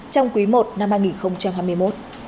trong quý i năm hai nghìn hai mươi một